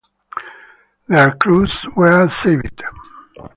Their crews were saved.